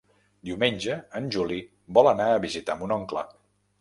Diumenge en Juli vol anar a visitar mon oncle.